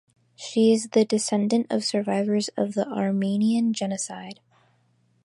She is the descendant of survivors of the Armenian Genocide.